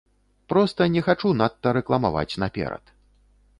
Проста не хачу надта рэкламаваць наперад.